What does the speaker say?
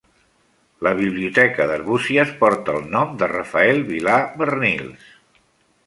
La biblioteca d'Arbúcies porta el nom de Rafael Vilà Barnils.